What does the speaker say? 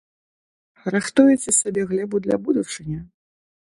Рыхтуеце сабе глебу для будучыні?